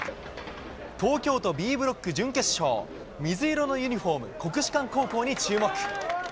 東京都Ｂブロック準決勝、水色のユニホーム、国士舘高校に注目。